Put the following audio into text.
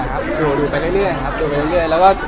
ครับผมรอเวลาแหละครับดูไปเรื่อยครับ